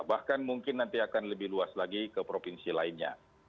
bahkan mungkin nanti akan lebih luas lagi ke provinsi lainnya